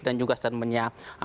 dan juga setmennya